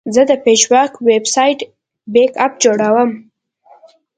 زه د پژواک ویب سایټ بیک اپ جوړوم.